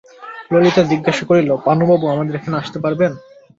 ললিতা জিজ্ঞাসা করিল, পানুবাবু আমাদের এখানে আসতে পারবেন?